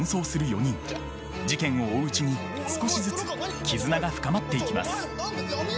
事件を追ううちに少しずつ絆が深まっていきます。